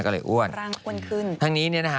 ก็เลยอ้วนทั้งนี้เนี่ยนะฮะ